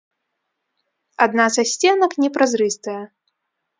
Адна са сценак непразрыстая.